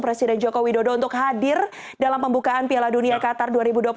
presiden joko widodo untuk hadir dalam pembukaan piala dunia qatar dua ribu dua puluh tiga